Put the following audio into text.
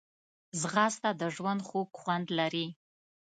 ځغاسته د ژوند خوږ خوند لري